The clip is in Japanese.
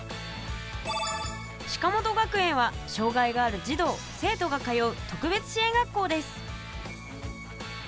鹿本学園はしょうがいがある児童・生徒が通う特別支援学校です。